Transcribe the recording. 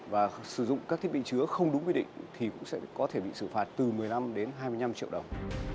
và sử dụng các thiết bị chứa không đúng quy định thì cũng sẽ có thể bị xử phạt từ một mươi năm đến hai mươi năm triệu đồng